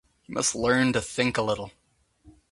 You must learn to think a little